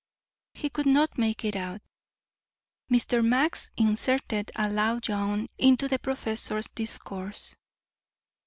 He could not make it out. Mr. Max inserted a loud yawn into the professor's discourse.